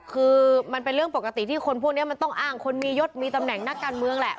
คือมันเป็นเรื่องปกติที่คนพวกนี้มันต้องอ้างคนมียศมีตำแหน่งนักการเมืองแหละ